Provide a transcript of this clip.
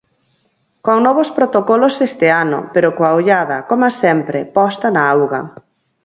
Con novos protocolos este ano pero coa ollada, coma sempre, posta na auga.